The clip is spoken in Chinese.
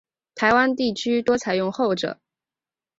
台湾地区多采用后者。